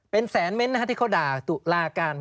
เป็นแสนเม้นต์ที่เขาด่าตุลาการ